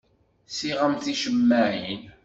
Ssiɣemt ticemmaɛin.